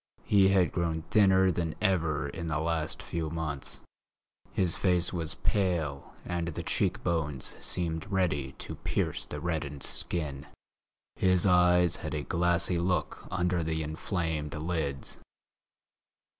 He had grown thinner than ever in the last few months. His face was pale and the cheek bones seemed ready to pierce the reddened skin; his eyes had a glassy look under the inflamed lids.